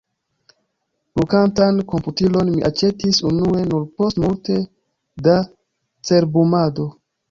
Brokantan komputilon mi aĉetis unue nur post multe da cerbumado.